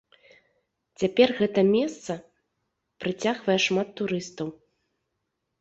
Цяпер гэта месца прыцягвае шмат турыстаў.